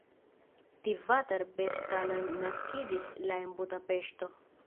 Tivadar Bertalan naskiĝis la en Budapeŝto.